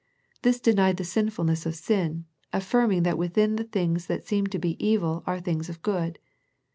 This denied the sinfulness of sin, affirming that within the things that seem to be evil are things of good.